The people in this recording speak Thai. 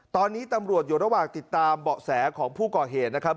ตอนนี้ตำรวจอยู่ระหว่างติดตามเบาะแสของผู้ก่อเหตุนะครับ